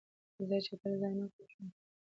زه چټل ځای نه خوښوم.